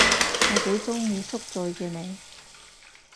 我幾鍾意宿醉嘅你